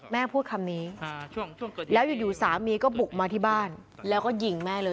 แม่พูดคำนี้แล้วอยู่สามีก็บุกมาที่บ้านแล้วก็ยิงแม่เลย